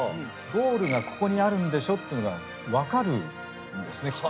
ゴールがここにあるんでしょっていうのが分かるんですね